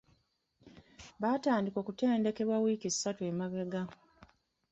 Baatandika okutendekebwa wiiki ssatu emabega.